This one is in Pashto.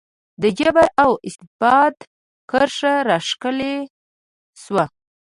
د جبر او استبداد کرښه راښکل شوه.